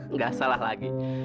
nggak salah lagi